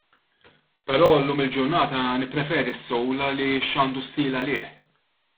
Però llum il-ġurnata nippreferi s-soul għaliex għandu stil għalih.